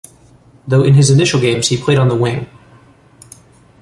Though in his initial games he played on the wing.